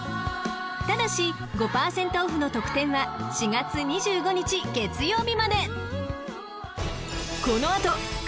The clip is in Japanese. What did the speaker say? ［ただし５％オフの特典は４月２５日月曜日まで］